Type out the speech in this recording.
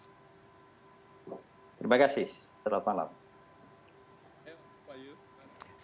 terima kasih selamat malam